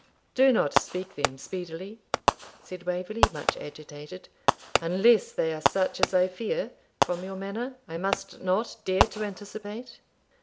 'Do not speak them speedily,' said Waverley, much agitated, 'unless they are such as I fear, from your manner, I must not dare to anticipate.